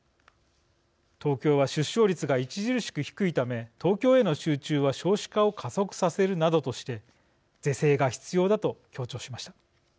東京は出生率が著しく低いため東京への集中は少子化を加速させるなどとして是正が必要だと強調しました。